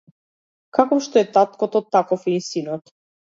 Каков што е таткото, таков е и синот.